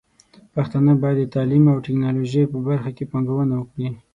پښتانه بايد د تعليم او ټکنالوژۍ په برخه کې پانګونه وکړي.